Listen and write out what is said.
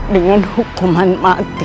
dengan hukuman mati